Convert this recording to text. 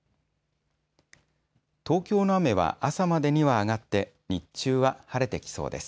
東京の雨は朝までには上がって日中は晴れてきそうです。